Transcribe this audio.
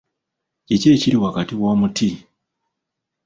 Kiki ekiri wakati wa omuti?